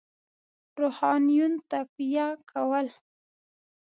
روحانیون تقویه کول.